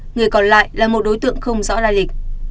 người còn lại là một đối tượng không rõ lai lịch